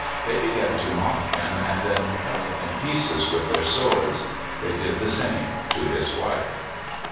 They began to mock him, and then cut him in pieces with their swords. They did the same to his wife.